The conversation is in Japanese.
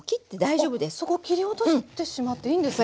そこ切り落としてしまっていいんですね。